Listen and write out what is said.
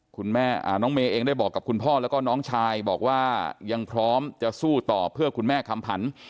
คุณแม่น้องเมย์เองได้บอกกับคุณพ่อแล้วก็น้องชายบอกว่ายังพร้อมจะสู้ต่อเพื่อคุณแม่คำผัน